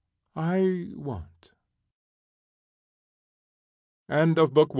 "I won't." END OF BOOK I.